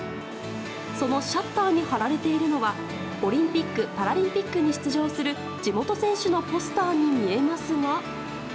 そのシャッターに貼られているのはオリンピック・パラリンピックに出場する地元選手のポスターに見えますが。